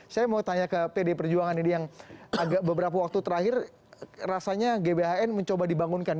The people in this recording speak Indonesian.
saya mau tanya ke pd perjuangan ini yang beberapa waktu terakhir rasanya gbhn mencoba dibangunkan